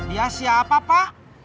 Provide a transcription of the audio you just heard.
iya siapa pak